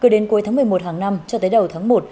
đến cuối tháng một mươi một hàng năm cho tới đầu tháng một